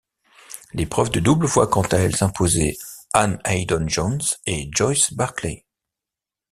L'épreuve de double voit quant à elle s'imposer Ann Haydon-Jones et Joyce Barclay.